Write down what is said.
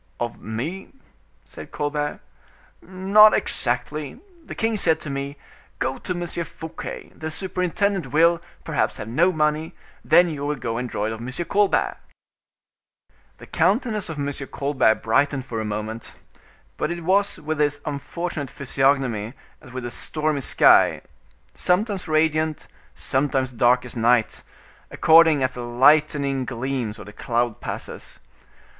"Of me?" said Colbert. "Not exactly. The king said to me: 'Go to M. Fouquet; the superintendent will, perhaps, have no money, then you will go and draw it of M. Colbert.'" The countenance of M. Colbert brightened for a moment; but it was with his unfortunate physiognomy as with a stormy sky, sometimes radiant, sometimes dark as night, according as the lightening gleams or the cloud passes.